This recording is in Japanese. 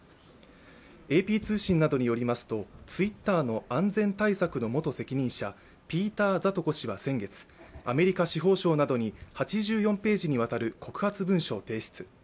ＡＰ通信などによりますと、ツイッターの安全対策の元責任者、ピーター・ザトコ氏は先月、アメリカ司法省などに８４ページにわたる告発文書を提出。